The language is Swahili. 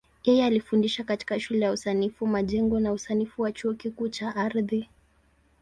Yeye alifundisha katika Shule ya Usanifu Majengo na Usanifu wa Chuo Kikuu cha Ardhi.